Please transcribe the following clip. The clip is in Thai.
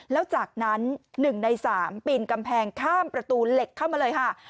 แล้วจากนั้น๑ใน๓ปีนกำแพงข้ามประตูเหล็กเข้ามาเลยค่ะ